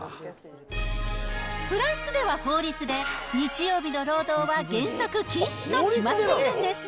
フランスでは法律で、日曜日の労働は原則禁止と決まっているんです。